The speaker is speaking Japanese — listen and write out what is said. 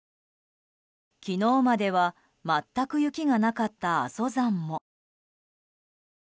昨日までは全く雪がなかった阿蘇山も。